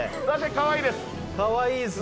かわいいっすね。